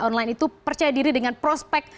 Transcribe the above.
online itu percaya diri dengan prospek